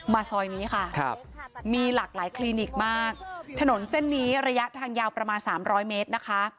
ซอยนี้ค่ะมีหลากหลายคลินิกมากถนนเส้นนี้ระยะทางยาวประมาณสามร้อยเมตรนะคะ